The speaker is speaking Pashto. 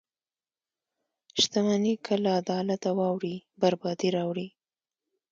• شتمني که له عدالته واوړي، بربادي راوړي.